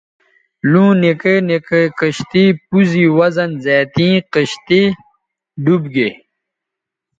لُوں نکے نکے کشتئ پوز ی وزن زیاتیں کشتئ ڈوب گے